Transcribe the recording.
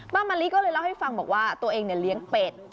น้อ๊าบมาลีก็เลยเล่าให้ฟังเบาะว่าตัวเองเนี่ยเลี้ยงเป็ด